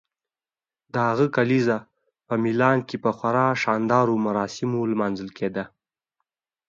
د هغه کلیزه په میلان کې په خورا شاندارو مراسمو لمانځل کیده.